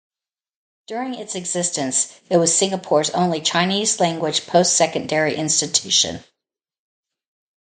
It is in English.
During its existence, it was Singapore's only Chinese language post-secondary institution.